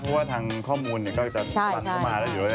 เพราะว่าทางข้อมูลก็จะส่งมาเลย